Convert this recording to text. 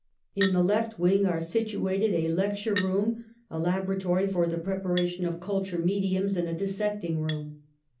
In the left wing are situated a lecture room, a laboratory for the preparation of culture mediums and a dissecting room.